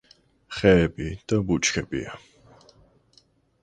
ხეები და ბუჩქებია.